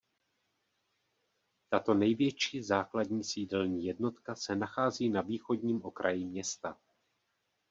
Tato největší základní sídelní jednotka se nachází na východním okraji města.